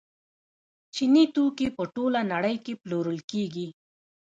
چیني توکي په ټوله نړۍ کې پلورل کیږي.